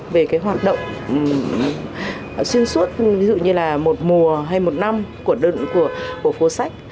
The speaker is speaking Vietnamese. về cái hoạt động xuyên suốt ví dụ như là một mùa hay một năm của phố sách